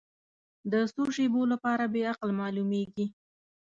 د څو شیبو لپاره بې عقل معلومېږي.